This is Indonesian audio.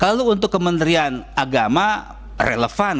lalu untuk kementerian agama relevan